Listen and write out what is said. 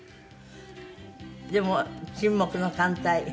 でも『沈黙の艦隊』